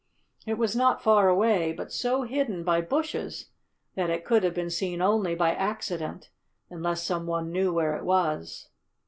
It was not far away, but so hidden by bushes that it could have been seen only by accident, unless some one knew where it was.